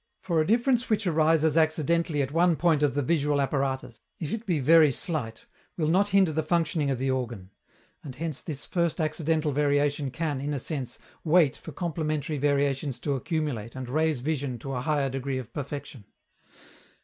For a difference which arises accidentally at one point of the visual apparatus, if it be very slight, will not hinder the functioning of the organ; and hence this first accidental variation can, in a sense, wait for complementary variations to accumulate and raise vision to a higher degree of perfection.